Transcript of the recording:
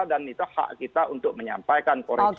dan itu hak kita untuk menyampaikan koreksi kita